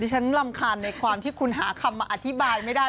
ฉันรำคาญในความที่คุณหาคำมาอธิบายไม่ได้